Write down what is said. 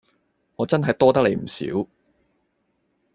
我真係多得你唔少